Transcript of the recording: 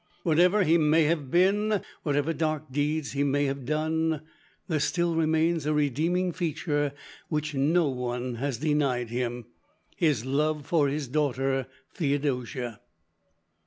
Whatever he may have been, and whatever dark deeds he may have done, there still remains a redeeming feature which no one has denied him his love for his daughter, Theodosia.